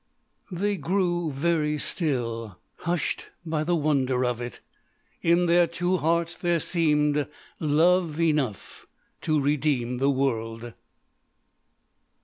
They grew very still, hushed by the wonder of it. In their two hearts there seemed love enough to redeem the world.